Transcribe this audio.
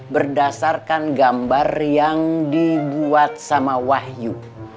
berdasarkan gambar yang dibuat sama wahyu